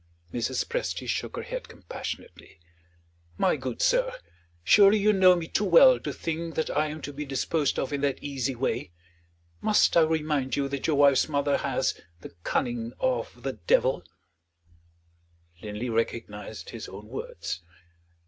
Mrs. Presty shook her head compassionately. "My good sir, surely you know me too well to think that I am to be disposed of in that easy way? Must I remind you that your wife's mother has 'the cunning of the devil'?" Linley recognized his own words.